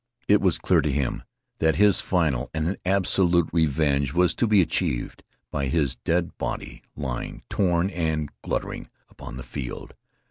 It was clear to him that his final and absolute revenge was to be achieved by his dead body lying, torn and gluttering, upon the field.